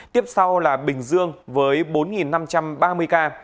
tiếp sau là bình dương với bốn năm trăm ba mươi ca